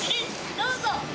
どうぞ。